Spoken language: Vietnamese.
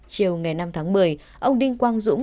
chiều ngày năm tháng một mươi ông đinh quang dũng